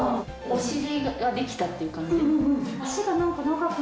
お尻が出来たっていう感じ